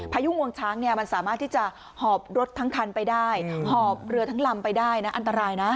ยุ่งงวงช้างเนี่ยมันสามารถที่จะหอบรถทั้งคันไปได้หอบเรือทั้งลำไปได้นะอันตรายนะ